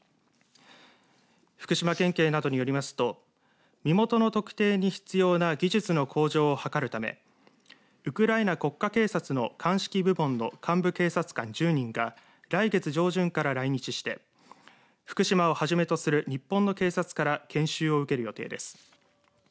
福島県警などによりますと身元の特定に必要な技術の向上を図るためウクライナ国家警察の鑑識部門の幹部警察官１０人が来月上旬から来日して福島をはじめとする日本の警察から研修を受ける予定です。